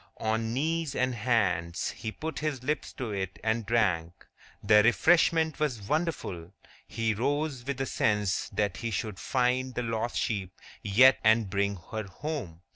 On knees and hands, he put his lips to it and drank. The refreshment was wonderful. He rose with a sense that he should find the lost sheep yet and bring her home.